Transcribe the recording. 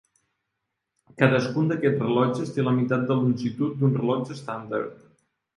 Cadascun d'aquests rellotges té la meitat de la longitud d'un rellotge estàndard.